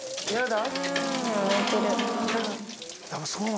嫌だ？